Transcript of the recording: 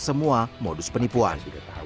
semua modus penipuan